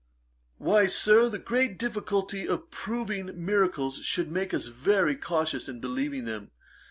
'Why, Sir, the great difficulty of proving miracles should make us very cautious in believing them.